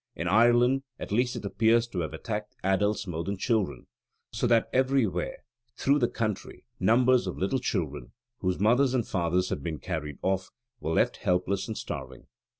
In Ireland at least it appears to have attacked adults more than children, so that everywhere through the country numbers of little children, whose mothers and fathers had been carried off, were left helpless and starving.